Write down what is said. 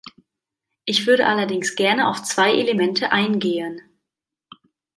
Ich würde allerdings gerne auf zwei Elemente eingehen.